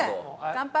乾杯！